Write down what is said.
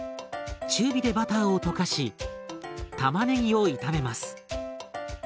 中火でバターを溶かしたまねぎを炒めます。